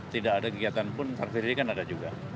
tidak ada kegiatan pun car free day kan ada juga